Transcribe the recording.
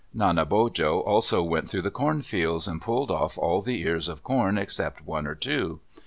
Nanebojo also went through the cornfields and pulled off all the ears of corn except one or two.